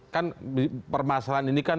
kan permasalahan ini kan